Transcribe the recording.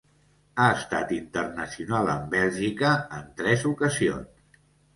Ha estat internacional amb Bèlgica en tres ocasions.